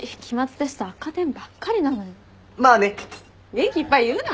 元気いっぱい言うな。